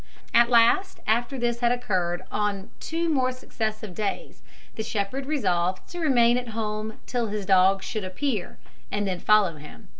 At last, after this had occurred on two more successive days, the shepherd resolved to remain at home till his dog should appear, and then to follow him.